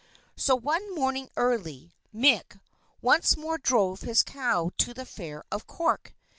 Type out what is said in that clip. So one morning early, Mick once more drove his cow to the Fair of Cork.